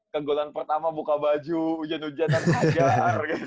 gak kegolan pertama buka baju hujan hujan hajar gitu